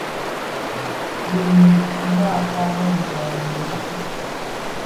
Bi mbakaken jaň lèpub,